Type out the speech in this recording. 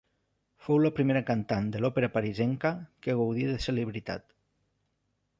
Fou la primera cantant de l'Òpera parisenca que gaudi de celebritat.